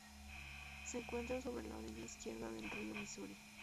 Se encuentra sobre la orilla izquierda del río Misuri.